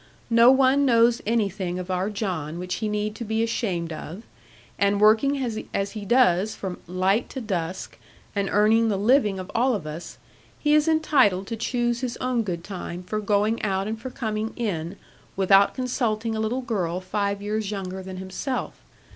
No one knows anything of our John which he need be ashamed of; and working as he does from light to dusk, and earning the living of all of us, he is entitled to choose his own good time for going out and for coming in, without consulting a little girl five years younger than himself.